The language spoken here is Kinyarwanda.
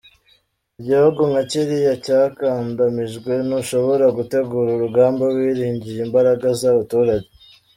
Igihugu nka kiriya cyakandamijwe, ntushobora gutegura urugamba wiringiye imbaraga z’abaturage.